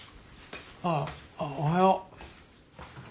ああおはよう。